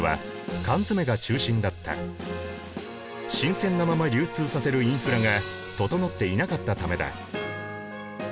新鮮なまま流通させるインフラが整っていなかったためだ。